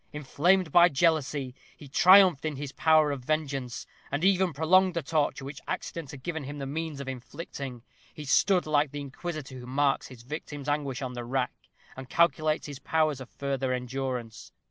Inflamed by jealousy, he triumphed in his power of vengeance, and even prolonged the torture which accident had given him the means of inflicting. He stood like the inquisitor who marks his victim's anguish on the rack, and calculates his powers of further endurance.